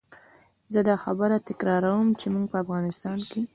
زه دا خبره تکراروم چې موږ په افغانستان کې.